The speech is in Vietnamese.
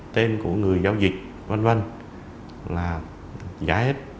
tên của người giao dịch v v là giá hết